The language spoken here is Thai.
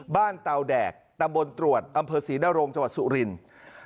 บ้านเตาแดกตะบนตรวจอำเภอศรีนรงค์จวัดสุรินฮะ